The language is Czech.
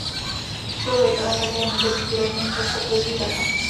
Člověk ale také může být zdrojem infekce pro zvířata.